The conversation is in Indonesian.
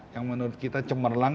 yang menurut kita cemerlang